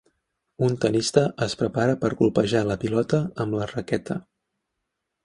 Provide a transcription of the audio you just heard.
Un tenista es prepara per colpejar la pilota amb la raqueta